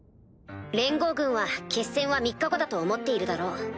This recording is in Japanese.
連合軍は決戦は３日後だと思っているだろう。